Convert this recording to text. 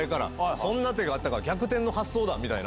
そんな手があったか、逆転の発想だみたいな。